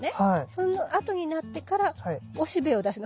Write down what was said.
そのあとになってからおしべを出すの。